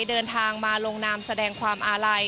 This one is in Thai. เดินทางมาลงนามแสดงความอาลัย